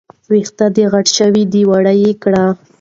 وېښته دې غټ شوي دي، واړه يې کړه